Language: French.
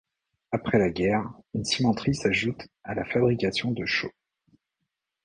Après la guerre, une cimenterie s'ajoute à la fabrication de chaux.